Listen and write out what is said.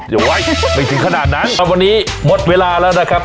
อย่าไว้ไม่ถึงขนาดนั้นวันนี้หมดเวลาแล้วนะครับ